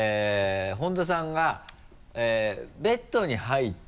本田さんがベッドに入って。